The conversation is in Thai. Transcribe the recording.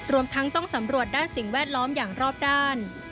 รวมทั้งต้องสำรวจด้านสิ่งแวดล้อมอย่างรอบด้าน